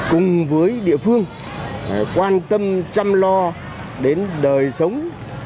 cùng với địa phương quan tâm chăm lo đến đời sống